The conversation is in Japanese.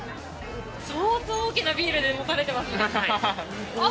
相当大きなビール、持たれてますね。